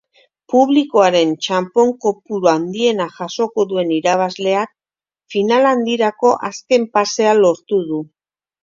Publikoaren txanpon kopuru handiena jasoko duen irabazleak final handirako azken pasea lortuko du.